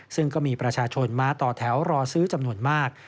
ซึ่งก็มีประชาชนมาต่อแถวรอซื้อจำนวนมาก